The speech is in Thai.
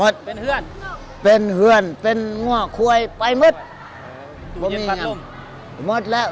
สวัสดีครับสวัสดีครับ